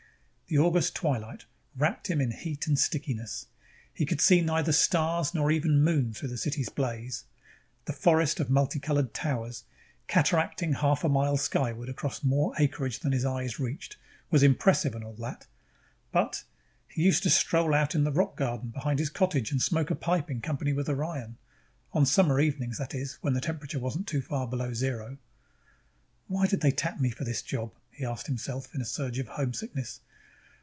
_ The August twilight wrapped him in heat and stickiness. He could see neither stars nor even moon through the city's blaze. The forest of multi colored towers, cataracting half a mile skyward across more acreage than his eyes reached, was impressive and all that, but he used to stroll out in the rock garden behind his cottage and smoke a pipe in company with Orion. On summer evenings, that is, when the temperature wasn't too far below zero. Why did they tap me for this job? he asked himself in a surge of homesickness.